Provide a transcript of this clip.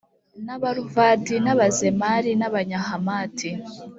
n abaruvadi n abazemari n abanyahamati